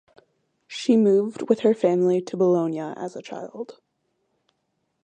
She moved with her family to Bologna as a child.